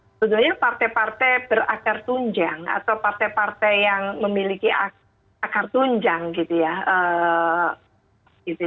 sebetulnya partai partai berakar tunjang atau partai partai yang memiliki akar tunjang gitu ya